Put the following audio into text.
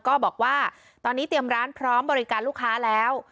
ก็บอกว่าตอนนี้เตรียมร้านพร้อมบริการลูกค้าแล้ว